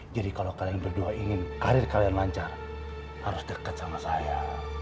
jadi kalau kalian berdua ingin karir kalian lancar harus dekat sama saya